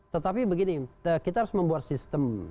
tetapi begini kita harus membuat sistem